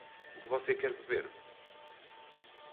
O que você quer beber?